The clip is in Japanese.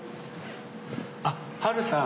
あっハルさん